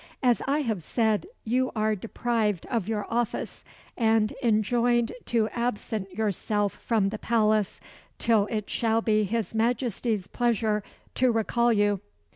As I have said, you are deprived of your office, and enjoined to absent yourself from the palace, till it shall be his Majesty's pleasure to recall you."